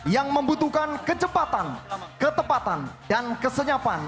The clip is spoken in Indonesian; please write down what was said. yang membutuhkan kecepatan ketepatan dan kesenyapan